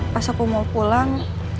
pas aku mau pulang